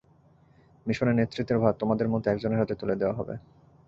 মিশনের নেতৃত্বের ভার তোমাদের মধ্যে একজনের হাতে তুলে দেয়া হবে।